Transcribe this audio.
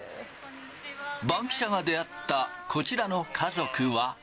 バンキシャが出会ったこちらの家族は。